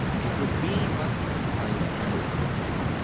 It wonid be but the plain trnth.